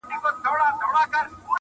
• ته به ولي په چاړه حلالېدلای -